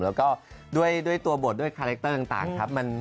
แล้วก็ด้วยตัวบทด้วยคาแรคเตอร์ต่างครับ